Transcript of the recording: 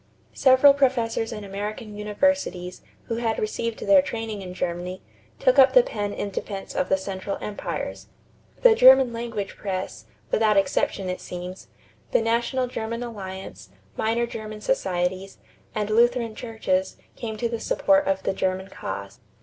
Several professors in American universities, who had received their training in Germany, took up the pen in defense of the Central Empires. The German language press, without exception it seems, the National German Alliance, minor German societies, and Lutheran churches came to the support of the German cause.